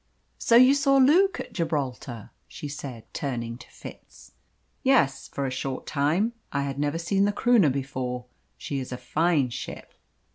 "So you saw Luke at Gibraltar?" she said, turning to Fitz. "Yes, for a short time. I had never seen the Croonah before. She is a fine ship."